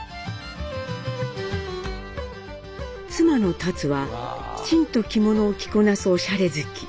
妻のタツはきちんと着物を着こなすおしゃれ好き。